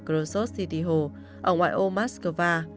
crosso city hall ở ngoài ô moskova